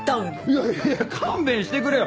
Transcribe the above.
いやいやいや勘弁してくれよ！